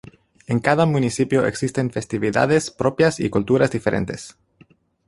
En cada municipio existen festividades propias y culturas diferentes.